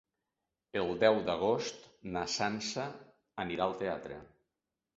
El deu d'agost na Sança anirà al teatre.